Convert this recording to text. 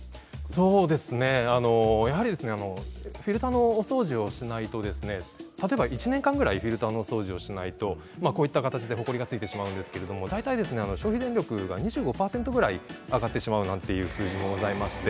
フィルターのお掃除をしないと例えば１年間ぐらいフィルターのお掃除をしないとこういった形でほこりが付いてしまうんですけど大体消費電力が２５％ぐらい上がってしまうという機械もあります。